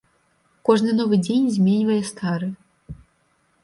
Кожны новы дзень зменьвае стары.